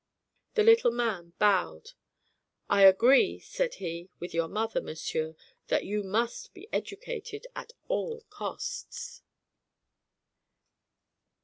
The little man bowed. "I agree," said he, "with your mother, monsieur, that you must be educated at all costs."